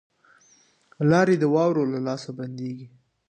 لاري د واورو له لاسه بندي وې.